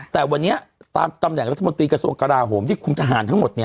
แต่วันนี้ตามตำแหน่งรัฐมนตรีกระทรวงกราโหมที่คุมทหารทั้งหมด